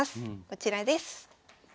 こちらです。